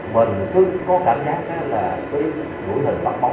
mình cứ có cảm giác là cứ đuổi lần bắt bóng